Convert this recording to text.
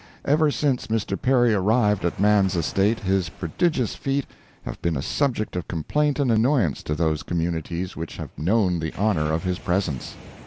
Ever since Mr. Perry arrived at man's estate his prodigious feet have been a subject of complaint and annoyance to those communities which have known the honor of his presence.